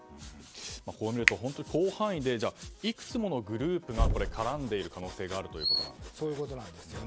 こう見ると広範囲でいくつものグループが絡んでいる可能性があるということなんですね。